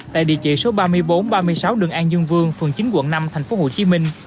tại địa chỉ số ba mươi bốn ba mươi sáu đường an dương vương phường chín quận năm tp hcm